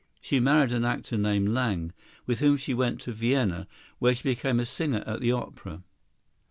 She married an actor named Lange, with whom she went to Vienna, where she became a singer at the opera.